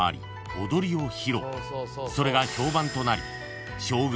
［それが評判となり将軍